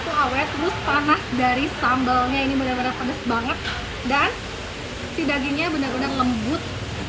tuh awet terus panas dari sambalnya ini bener bener pedas banget dan si dagingnya bener bener lembut